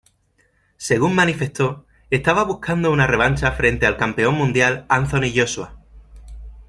Según manifestó, estaba buscando una revancha frente al campeón mundial Anthony Joshua.